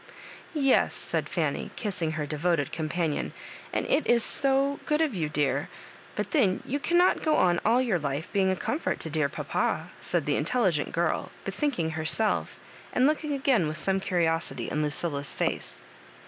"Yes," said Fanny, kissing her devoted com panion, "and it is so good of you, dear; but then you cannot go on aU your life being a com fort to dear papa," said the intelligent girl, be thinking herself^ and looking again with some curiosity in Lucilla's face.